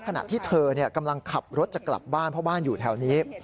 ขณะที่เธอกำลังขับรถจะกลับบ้านเพราะบ้านอยู่แถวนี้